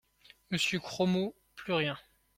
Monsieur Cromot, plus rien.